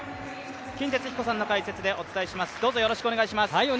金哲彦さんの解説でお伝えします。